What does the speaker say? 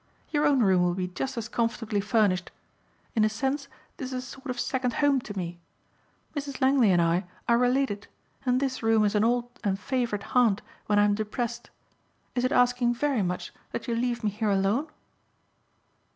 Your own room will be just as comfortably furnished. In a sense this is a sort of second home to me. Mrs. Langley and I are related and this room is an old and favorite haunt when I'm depressed. Is it asking very much that you leave me here alone?"